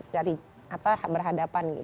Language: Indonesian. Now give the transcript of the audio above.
dari apa berhadapan